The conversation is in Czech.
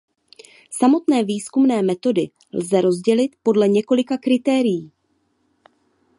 Samotné výzkumné metody lze rozdělit podle několika kritérií.